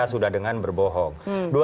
sudah dengan berbohong